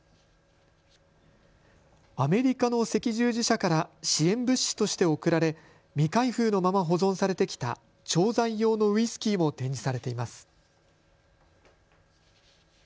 アメリカの赤十字社から支援物資として贈られ未開封のまま保存されてきた調剤用のウイスキーも展示されています。